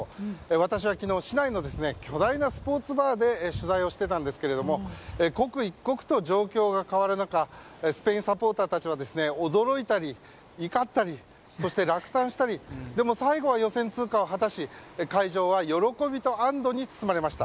私は昨日市内の巨大なスポーツバーで取材をしていたんですが刻一刻と状況が変わる中スペインサポーターたちは驚いたり怒ったりそして落胆したりでも、最後は予選通過を果たし会場は喜びと安堵に包まれました。